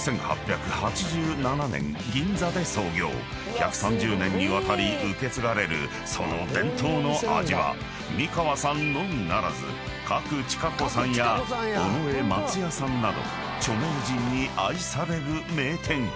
［１３０年にわたり受け継がれるその伝統の味は美川さんのみならず賀来千香子さんや尾上松也さんなど著名人に愛される名店］